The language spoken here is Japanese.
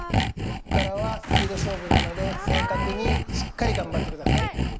ここからはスピード勝負なので正確にしっかり頑張ってください